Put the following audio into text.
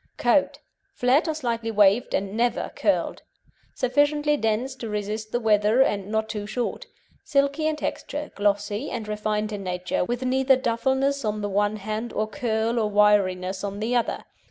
COAT Flat or slightly waved, and never curled. Sufficiently dense to resist the weather, and not too short. Silky in texture, glossy, and refined in nature, with neither duffelness on the one hand nor curl or wiriness on the other.